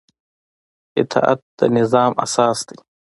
اطاعت د نظام اساس دی